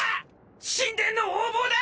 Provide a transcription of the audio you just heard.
神殿の横暴だ！